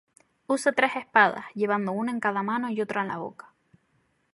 Usa tres espadas, llevando una en cada mano y otra en la boca.